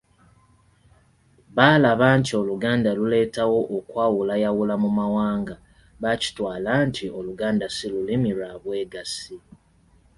Balaba nti Oluganda luleetawo okwawulayawula mu mawanga. Baakitwala nti Oluganda si Lulimi lwa bwegassi.